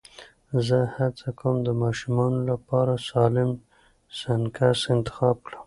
زه هڅه کوم د ماشومانو لپاره سالم سنکس انتخاب کړم.